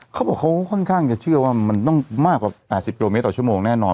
เขาบอกเขาค่อนข้างจะเชื่อว่ามันต้องมากกว่า๘๐กิโลเมตรต่อชั่วโมงแน่นอน